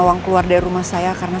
sampai jumpa di video selanjutnya